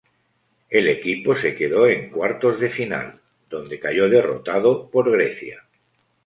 El equipo se quedó en cuartos de final, donde cayó derrotado por Grecia.